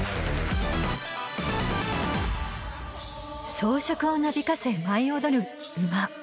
⁉装飾をなびかせ舞い踊る馬